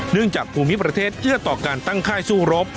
จากภูมิประเทศเอื้อต่อการตั้งค่ายสู้รบ